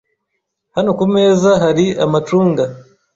Hano kumeza hari amacunga.